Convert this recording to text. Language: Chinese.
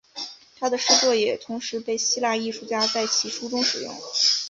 他的诗作也同时被希腊艺术家在其书中使用。